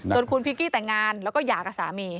คุณพิงกี้แต่งงานแล้วก็หย่ากับสามี